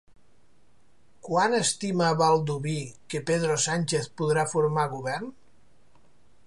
Quan estima Baldoví que Pedro Sánchez podrà formar govern?